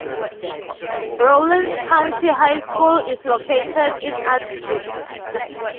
Rawlins County High School is located in Atwood.